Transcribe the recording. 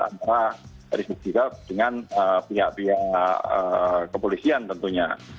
antara riseg siap dengan pihak pihak kepolisian tentunya